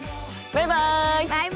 バイバイ！